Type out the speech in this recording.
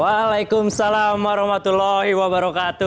waalaikumsalam warahmatullahi wabarakatuh